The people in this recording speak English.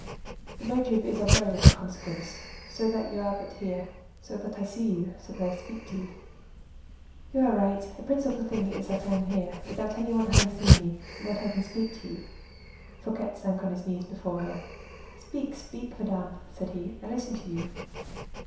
"The motive is of very little consequence, so that you are but here—so that I see you—so that I speak to you!" "You are right; the principal thing is that I am here without any one having seen me, and that I can speak to you."—Fouquet sank on his knees before her. "Speak! speak, madame!" said he, "I listen to you."